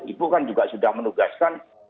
ibu kan juga sudah menugaskan